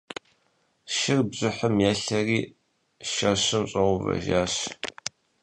Шыр бжыхьым елъэри шэщым щӀэувэжащ.